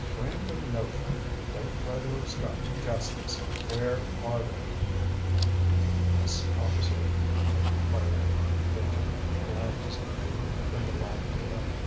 Friend or no friend, don't try to obstruct justice. Where are they?" "Yes, officer?" inquired Benji, bland as could be, from the lab door.